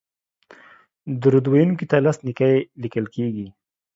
درود ویونکي ته لس نېکۍ لیکل کیږي